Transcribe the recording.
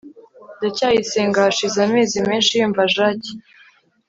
ndacyayisenga hashize amezi menshi yumva jaki